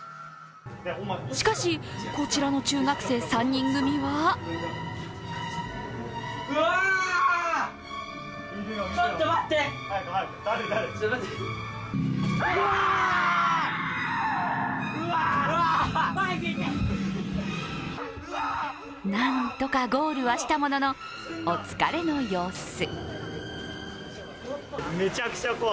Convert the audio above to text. しかし、こちらの中学生３人組はなんとかゴールはしたものの、お疲れの様子。